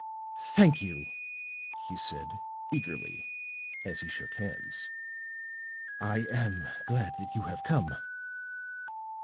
"Thank you," he said, eagerly, as he shook hands. "I am glad that you have come."